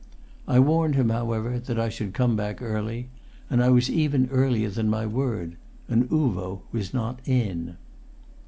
I warned him, however, that I should come back early. And I was even earlier than my word. And Uvo was not in.